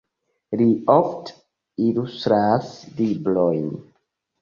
Li ofte ilustras librojn.